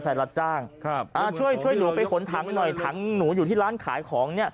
อะไรมันต้องทำอย่างเงี้ย